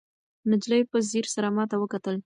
نجلۍ په ځیر سره ماته وکتل.